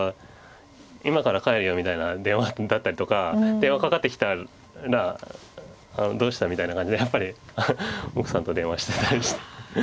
「今から帰るよ」みたいな電話だったりとか電話かかってきたら「どうした？」みたいな感じでやっぱり奥さんと電話してたりして。